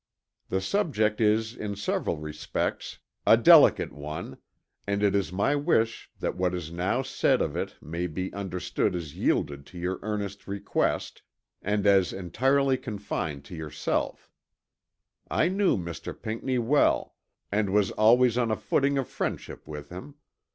The subject is in several respects a delicate one; and it is my wish that what is now said of it may be understood as yielded to your earnest request, and as entirely confined to yourself. I knew Mr. Pinckney well, and was always on a footing of friendship with him.